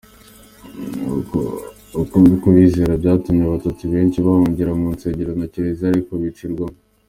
Uko kubizera byatumye abatutsi benshi bahungira mu nsengero na kiliziya, ariko bicirwamo.